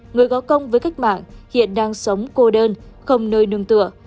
người có công với cách mạng hiện đang sống cô đơn không nơi nương tựa